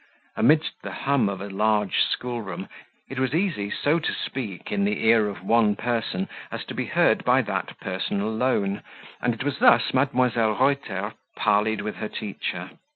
Amidst the hum of a large school room, it was easy so to speak in the ear of one person, as to be heard by that person alone, and it was thus Mdlle. Reuter parleyed with her teacher.